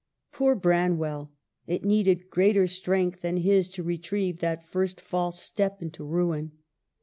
Poor Branwell ! it needed greater strength than his to retrieve that first false step into ruin.